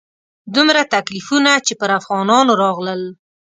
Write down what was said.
دومره تکلیفونه چې پر افغانانو راغلل.